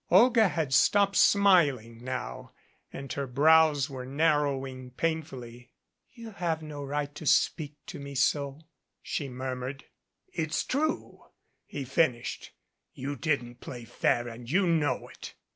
Olga had stopped smiling now and her brows were narrowing painfully. "You have no right to speak to me so," she murmured. "It's true," he finished. "You didn't play fair and you know it."